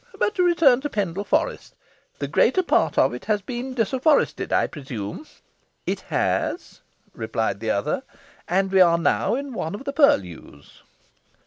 But to turn to Pendle Forest the greater part of it has been disafforested, I presume?" "It has," replied the other "and we are now in one of the purlieus."